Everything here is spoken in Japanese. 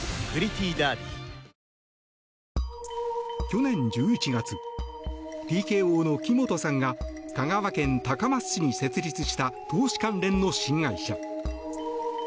去年１１月ＴＫＯの木本さんが香川県高松市に設立した投資関連の新会社。